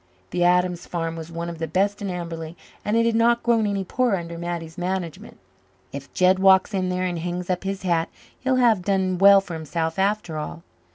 The Adams farm was one of the best in Amberley, and it had not grown any poorer under Mattie's management. "If Jed walks in there and hangs up his hat he'll have done well for himself after all."